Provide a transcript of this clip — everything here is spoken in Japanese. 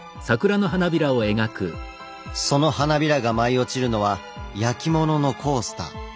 その花びらが舞い落ちるのは焼き物のコースター。